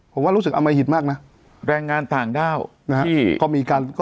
ผมว่ารู้สึกอามหิตมากนะแรงงานต่างด้าวที่ก็มีการ